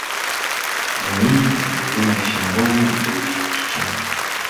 Нямігі будынак сінагогі быў знішчаны.